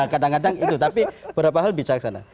kadang kadang itu tapi beberapa hal bisa kesana